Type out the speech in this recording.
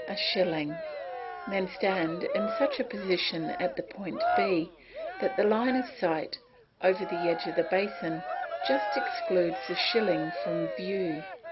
a shilling; then stand in such a position at the point B that the line of sight, over the edge of the basin, just excludes the shilling from view.